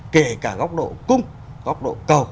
kể cả góc độ cung góc độ cầu